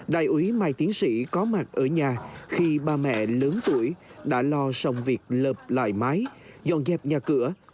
đại úy mai tiến sĩ có mặt ở nhà khi ba mẹ lớn tuổi đã lo xong việc lợp lại mái dọn dẹp nhà cửa